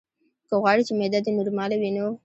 که غواړې چې معده دې نورماله وي نو: